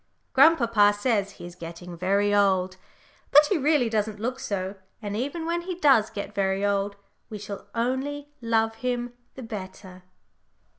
Grandpapa says he is getting very old, but he really doesn't look so, and even when he does get "very old," we shall all only love him the better.